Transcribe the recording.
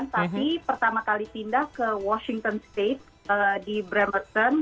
tapi pertama kali pindah ke washington state di bramerton